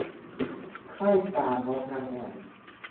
ไข้กาฬนกนางแอ่น